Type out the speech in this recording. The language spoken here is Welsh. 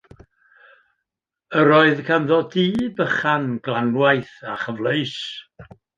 Yr oedd ganddo dŷ bychan glanwaith a chyfleus.